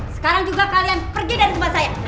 sekarang juga kalian pergi dari tempat saya